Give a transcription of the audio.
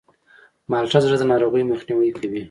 مالټه د زړه د ناروغیو مخنیوی کوي.